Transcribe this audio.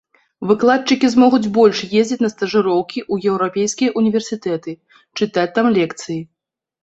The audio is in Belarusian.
Выкладчыкі змогуць больш ездзіць на стажыроўкі ў еўрапейскія ўніверсітэты, чытаць там лекцыі.